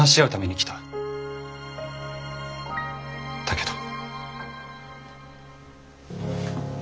だけど。